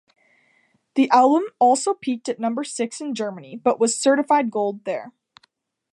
The album also peaked at number six in Germany, but was certified Gold there.